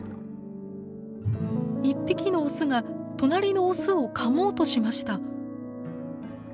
１匹のオスが隣のオスをかもうとしました。